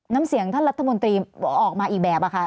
น้ำเสียงท่านรัฐมนตรีออกมาอีกแบบคะ